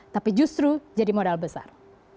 tapi justru jadi modal besar